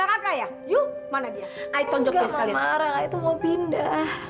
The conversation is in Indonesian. eh mau minum apa